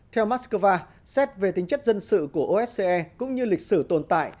theo moscow xét về tính chất dân sự của osa cũng như lịch sử tồn tại